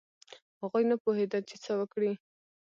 هغوی نه پوهېدل چې څه وکړي.